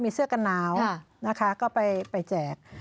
มีเสื้อกันหนาวนะคะก็ไปแจก